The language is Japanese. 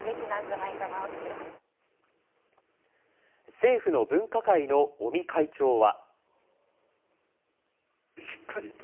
政府の分科会の尾身会長は。